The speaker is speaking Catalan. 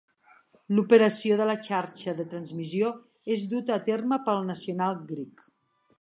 L'operació de la xarxa de transmissió és duta a terme per National Grid plc.